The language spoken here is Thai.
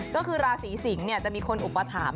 ก็คือดราศรีสิงห์เนี่ยจะมีคนอุปถรรม